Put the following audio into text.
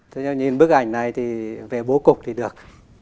tôi nhìn bức ảnh này thì về bố cục thì được